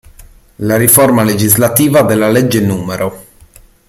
La riforma legislativa della legge n.